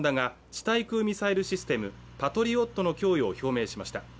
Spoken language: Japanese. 対空ミサイルシステムパトリオットの供与を表明しました